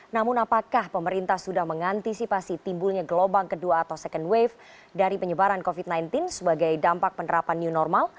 namun apakah pemerintah sudah mengantisipasi timbulnya gelombang kedua atau second wave dari penyebaran covid sembilan belas sebagai dampak penerapan new normal